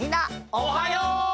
おはよう！